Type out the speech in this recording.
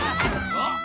あっ！